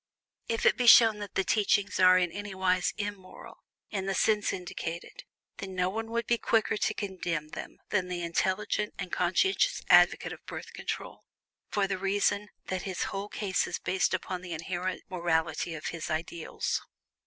If it be shown that the teachings are in anywise "immoral," in the sense indicated, then no one would be quicker to condemn them than the intelligent and conscientious advocate of Birth Control, for the reason that his whole case is based upon the inherent "morality" of his ideals.